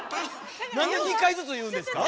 なんで２回ずつ言うんですか？